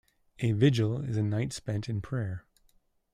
A vigil is a night spent in prayer.